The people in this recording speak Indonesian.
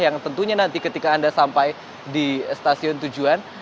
yang tentunya nanti ketika anda sampai di stasiun tujuan